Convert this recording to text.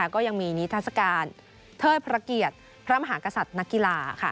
ก็ยังมีนิทัศกาลเทิดพระเกียรติพระมหากษัตริย์นักกีฬา